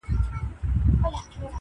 اوس د ماشوخېل زاړه خوبونه ریشتیا کېږي-